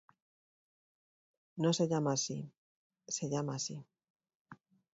No se llama así. Se llama así.